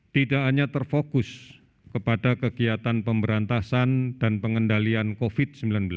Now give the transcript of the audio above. tidak hanya terfokus kepada kegiatan pemberantasan dan pengendalian covid sembilan belas